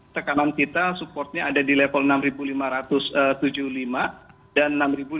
tekanan kita supportnya ada di level enam lima ratus tujuh puluh lima dan enam lima ratus